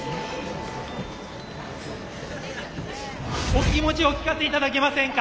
お気持ちお聞かせ頂けませんか？